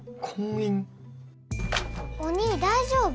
お兄大丈夫？